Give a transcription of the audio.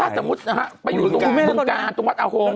จริงถ้าสมมุตินะฮะไปอยู่ตรงบึงกาตรงวัดอาโฮง